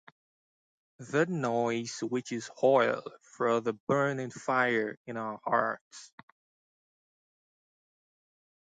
That noise which is oil for the burning fire in our hearts.